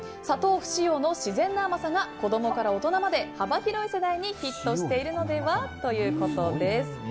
砂糖不使用の自然な甘さが子供から大人まで幅広い世代にヒットしているのでは？ということです。